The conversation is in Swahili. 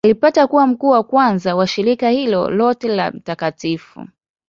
Alipata kuwa mkuu wa kwanza wa shirika hilo lote la Mt.